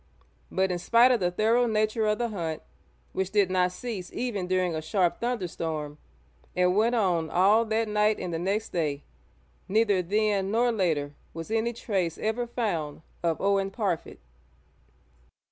But in spite of the thorough nature of the hunt, which did not cease even during a sharp thunderstorm, and went on all that night and the next day, neither then nor later was any trace ever found of Owen Parfitt.